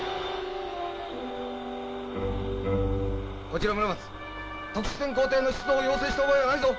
こちらムラマツ特殊潜航艇の出動を要請した覚えはないぞ。